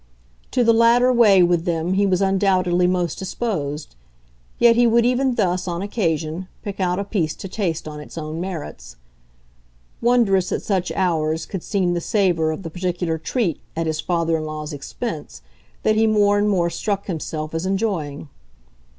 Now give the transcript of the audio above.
To the latter way with them he was undoubtedly most disposed; yet he would even thus, on occasion, pick out a piece to taste on its own merits. Wondrous at such hours could seem the savour of the particular "treat," at his father in law's expense, that he more and more struck himself as enjoying.